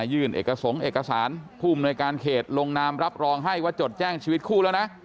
ยื่นเอกสงค์เอกสารผู้อำนวยการเขตลงนามรับรองให้ว่าจดแจ้งชีวิตคู่แล้วนะ